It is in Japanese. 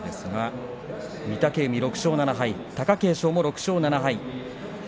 御嶽海は６勝７敗貴景勝も６勝７敗。